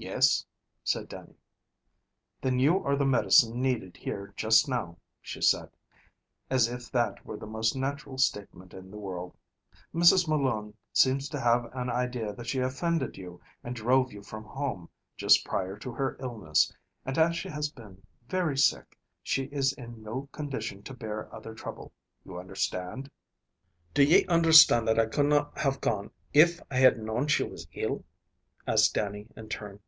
"Yes," said Dannie. "Then you are the medicine needed here just now," she said, as if that were the most natural statement in the world. "Mrs. Malone seems to have an idea that she offended you, and drove you from home, just prior to her illness, and as she has been very sick, she is in no condition to bear other trouble. You understand?" "Do ye understand that I couldna have gone if I had known she was ill?" asked Dannie in turn.